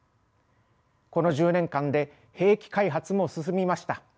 この１０年間で兵器開発も進みました。